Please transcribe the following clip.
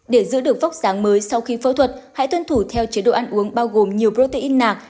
để giữ được vóc sáng mới sau khi phẫu thuật hãy tuân thủ theo chế độ ăn uống bao gồm nhiều protein nạc